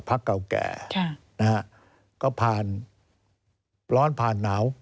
เก่าแก่นะฮะก็ผ่านร้อนผ่านหนาว